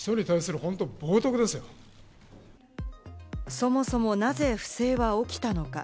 そもそもなぜ不正は起きたのか？